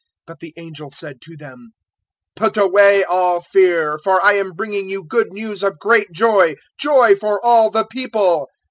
002:010 But the angel said to them, "Put away all fear; for I am bringing you good news of great joy joy for all the People.